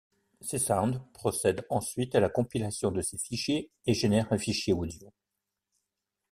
Csound procède ensuite à la compilation de ces fichiers et génère un fichier audio.